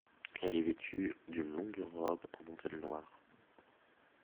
Elle est vêtue d'une longue robe en dentelle noire.